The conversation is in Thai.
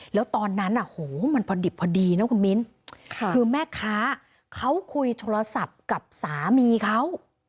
แล้วตอนนั้นมันพอดิบพอดีนะคุณมิ้นคือแม่ค้าเขาคุยโทรศัพท์กับสามีเขา